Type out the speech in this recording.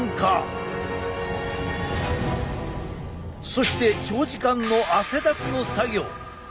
そして長時間の汗だくの作業。